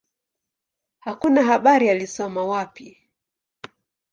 Hakuna habari alisoma wapi.